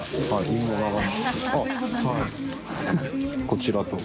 こちらと。